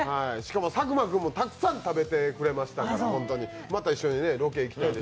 佐久間君もたくさん食べてくれましたからまた一緒にロケに行きたいです。